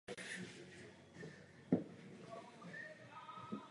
Svobodní jednotlivci můžou bez ohledu na sexuální orientaci osvojit dítě.